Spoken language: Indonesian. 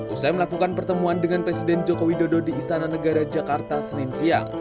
usai melakukan pertemuan dengan presiden joko widodo di istana negara jakarta senin siang